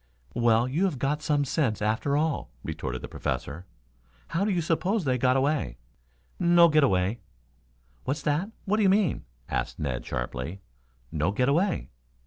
"Well, you have got some sense after all,"' retorted the Professor. "How do you suppose they got away?" "No get away." "What's that? What do you mean?" asked Ned sharply. "No get away."